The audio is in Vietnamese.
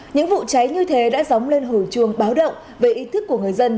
những vụ cháy như thế đã dóng lên hồi chuông báo động về ý thức của người dân